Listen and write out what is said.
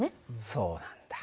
そうなんだ。